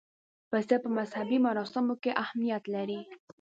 پسه په مذهبي مراسمو کې اهمیت لري.